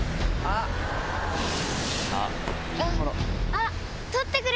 あっ！